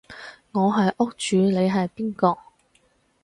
我係屋主你係邊個？